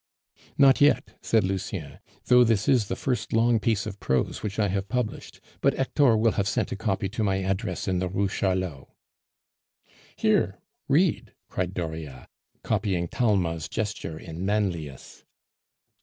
"Not yet," said Lucien, "though this is the first long piece of prose which I have published; but Hector will have sent a copy to my address in the Rue Charlot." "Here read!"... cried Dauriat, copying Talma's gesture in Manlius.